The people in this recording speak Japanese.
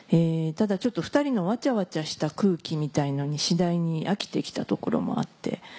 ただ２人のわちゃわちゃした空気みたいのに次第に飽きて来たところもあって。